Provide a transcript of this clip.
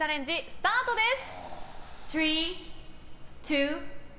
スタートです！